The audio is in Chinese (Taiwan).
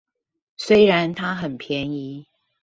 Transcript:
雖然他很便宜